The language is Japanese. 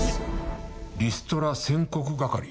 リストラ宣告係？